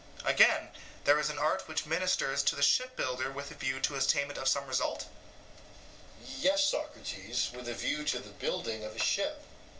SOCRATES: Again, there is an art which ministers to the ship builder with a view to the attainment of some result? EUTHYPHRO: Yes, Socrates, with a view to the building of a ship.